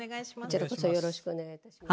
こちらこそよろしくお願いいたします。